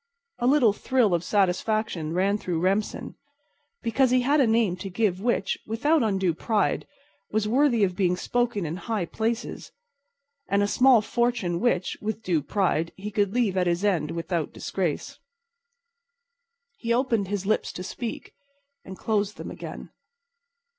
A little thrill of satisfaction ran through Remsen, because he had a name to give which, without undue pride, was worthy of being spoken in high places, and a small fortune which, with due pride, he could leave at his end without disgrace. He opened his lips to speak and closed them again.